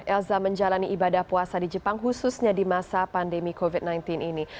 elza menjalani ibadah puasa di jepang khususnya di masa pandemi covid sembilan belas ini